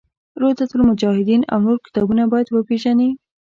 روضة المجاهدین او نور کتابونه باید وپېژني.